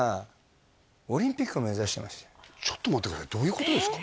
うんとねちょっと待ってくださいどういうことですか？